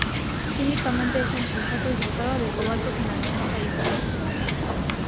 Químicamente es un sulfato hidratado de cobalto, sin aniones adicionales.